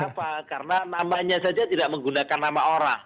kenapa karena namanya saja tidak menggunakan nama orang